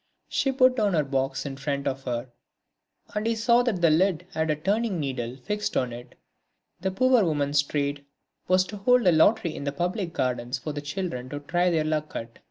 She put down her box in front of her, and he saw that the lid had a turning needle fixed on it; the poor woman's trade was to hold a lottery in the public gardens for the children to try their luck at.